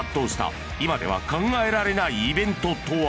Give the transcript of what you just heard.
［今では考えられないイベントとは？］